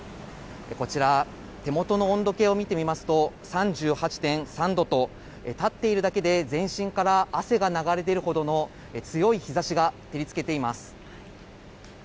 こちら、手元の温度計を見てみますと、３８．３度と、立っているだけで全身から汗が流れ出るほどの強い日ざしが照りつけています。